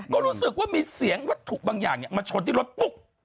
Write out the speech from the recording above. ก็รู้สึกว่ามีเสียงวัตถุบางอย่างมาชนที่รถปุ๊บ